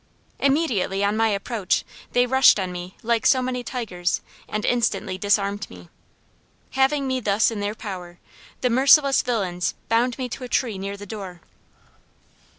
Immediately on my approach, they rushed on me like so many tigers, and instantly disarmed me. Having me thus in their power, the merciless villians bound me to a tree near the door.